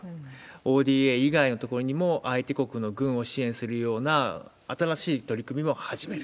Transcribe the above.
ＯＤＡ以外のところにも、相手国の軍を支援するような新しい取り組みも始める。